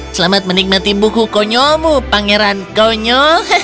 selamat menikmati buku konyolmu pangeran konyol